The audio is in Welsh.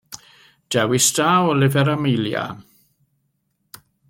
Dewis da o lyfr Amelia!